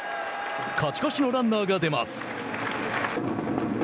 勝ち越しのランナーが出ます。